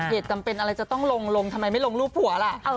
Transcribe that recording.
จำเป็นอะไรจะต้องลงลงทำไมไม่ลงรูปผัวล่ะ